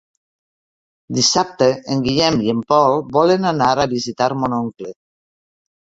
Dissabte en Guillem i en Pol volen anar a visitar mon oncle.